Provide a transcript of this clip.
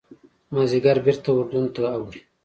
مازیګر بېرته اردن ته اوړي.